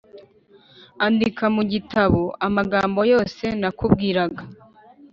Andika mu gitabo amagambo yose nakubwiraga